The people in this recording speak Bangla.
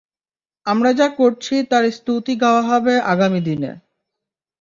আমরা যা করেছি তার স্তুতি গাওয়া হবে আগামী দিনে।